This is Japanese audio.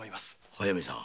速水さん